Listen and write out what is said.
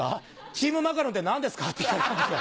「チームマカロンって何ですか？」って聞かれたんですよ。